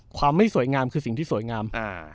ความไม่สวยงามคือสิ่งที่สวยงาม